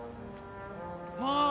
もう！